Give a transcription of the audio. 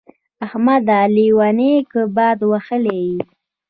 احمده! لېونی يې که باد وهلی يې.